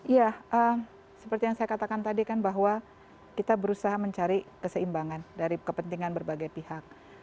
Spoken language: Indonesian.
ya seperti yang saya katakan tadi kan bahwa kita berusaha mencari keseimbangan dari kepentingan berbagai pihak